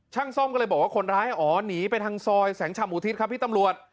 ซ่อมก็เลยบอกว่าคนร้ายอ๋อหนีไปทางซอยแสงชำอุทิศครับพี่ตำรวจ